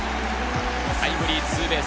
タイムリーツーベース。